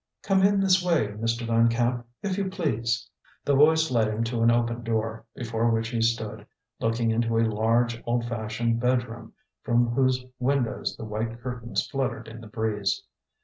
"Come in this way, Mr. Van Camp, if you please!" The voice led him to an open door, before which he stood, looking into a large, old fashioned bedroom, from whose windows the white curtains fluttered in the breeze.